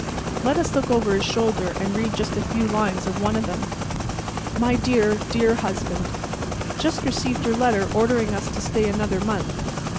Let us look over his shoulder and read just a few lines of one of them: My Dear, Dear Husband: Just received your letter ordering us to stay another month.